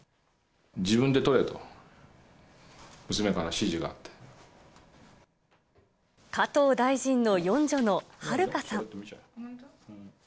自分で撮れと、加藤大臣の四女のはるかさん。